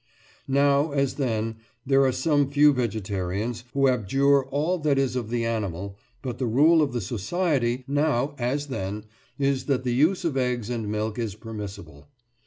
Now, as then, there are some few vegetarians who abjure all that is of the animal, but the rule of the Society now, as then, is that the use of eggs and milk is permissible.